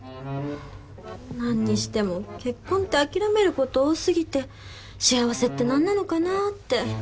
何にしても結婚って諦めること多すぎて幸せって何なのかなって。